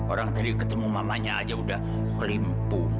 orang tadi ketemu mamanya aja udah kelimpu